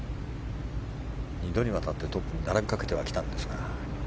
２度にわたってトップに並びかけてはきたんですが。